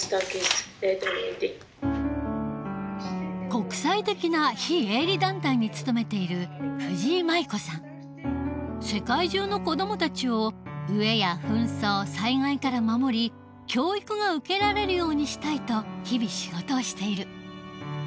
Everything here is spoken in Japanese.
国際的な非営利団体に勤めている世界中の子どもたちを飢えや紛争災害から守り教育が受けられるようにしたいと日々仕事をしている。